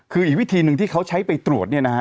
คืออีกวิธีหนึ่งที่เขาใช้ไปตรวจเนี่ยนะฮะ